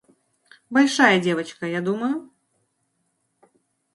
Большая девочка, я думаю?